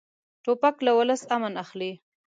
توپک له ولس امن اخلي.